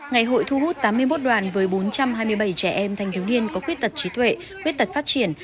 ngày hội thu hút tám mươi một đoàn với bốn trăm hai mươi bảy trẻ em thanh thiếu niên có khuyết tật trí tuệ khuyết tật phát triển